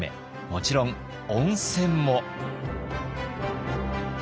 もちろん温泉も。